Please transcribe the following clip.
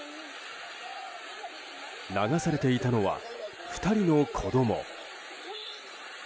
流されていたのは２人の子供。